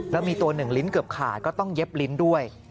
แล้วมีตัว๑ลิ้นเกือบขาดก็ต้องเย็บลิ้นด้วย